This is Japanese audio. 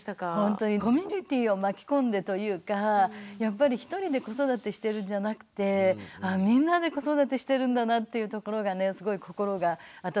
コミュニティーを巻き込んでというかやっぱり１人で子育てしてるんじゃなくてみんなで子育てしてるんだなっていうところがねすごい心が温まりましたし